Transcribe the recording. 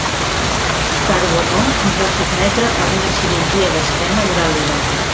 Charboneau es va sotmetre a una cirurgia d'esquena durant l'hivern.